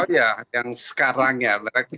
ya yang sekarang ya